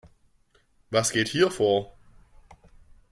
Was geht hier vor?